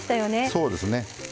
そうですね。